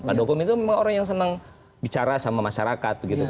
pak dukung itu memang orang yang senang bicara sama masyarakat